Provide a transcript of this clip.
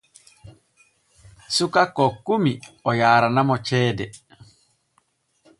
Suka kokkumi o yaaranimo ceede.